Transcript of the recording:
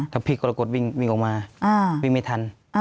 ก็พลิกก็ละกดวิ่งออกมาวิ่งไม่ทัน